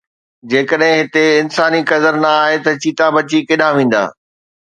جيڪڏهن هتي انساني قدر نه آهي ته چيتا بچي ڪيڏانهن ويندا؟